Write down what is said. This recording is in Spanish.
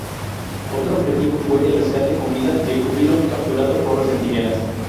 Otro objetivo fue el rescate con vida de Júbilo, capturada por los Centinelas.